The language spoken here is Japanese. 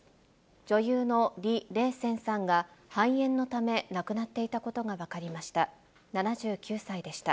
女優の李麗仙さんが、肺炎のため、亡くなっていたことが分かりました。